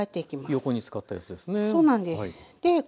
そうなんです。